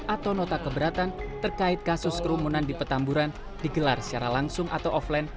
atau nota keberatan terkait kasus kerumunan di petamburan digelar secara langsung atau offline